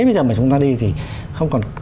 bây giờ mà chúng ta đi thì không còn